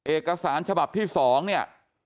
เอกสารฉบับที่๒